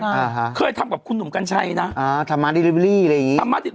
อ่าฮะเคยทำกับคุณหนุ่มกัญชัยนะอ่าทำมาดีริวิลี่อะไรอย่างงี้ธรรมะดี